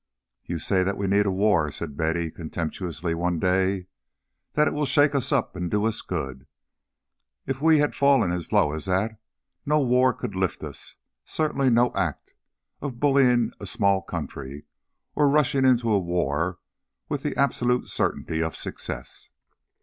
"You say that we need a war," said Betty contemptuously one day, "that it will shake us up and do us good. If we had fallen as low as that, no war could lift us, certainly not the act of bullying a small country, of rushing into a war with the absolute certainty of success.